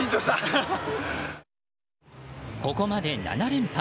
ここまで７連敗。